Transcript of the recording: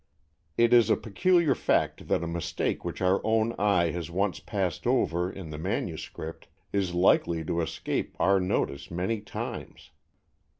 It is a peculiar fact that a mistake which our own eye has once passed over in the manuscript is likely to escape our notice many times.